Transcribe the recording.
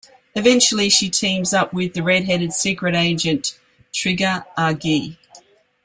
Eventually she teams up with the redheaded secret agent Trigger Argee.